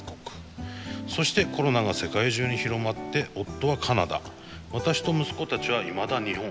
そしてコロナが世界中に広まって夫はカナダ私と息子たちはいまだ日本。